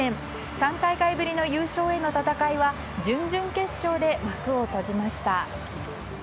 ３大会ぶりの優勝への戦いは準々決勝で幕を閉じました。